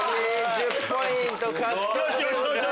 １０ポイント獲得。